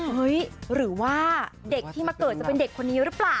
เฮ้ยหรือว่าเด็กที่มาเกิดจะเป็นเด็กคนนี้หรือเปล่า